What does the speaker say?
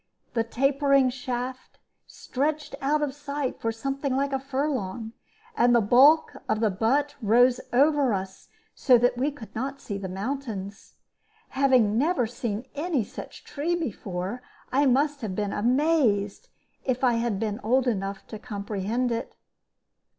The tapering shaft stretched out of sight for something like a furlong, and the bulk of the butt rose over us so that we could not see the mountains. Having never seen any such tree before, I must have been amazed if I had been old enough to comprehend it.